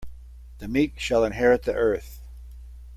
The meek shall inherit the earth.